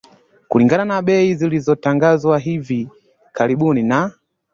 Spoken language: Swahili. Kulingana na bei zilizotangazwa hivi karibuni na